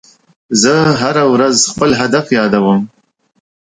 زه هره ورځ خپل هدف یادوم.